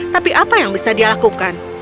tapi apa yang bisa dia lakukan